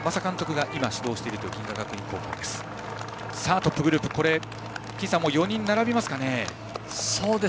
トップグループ４人並びますかね。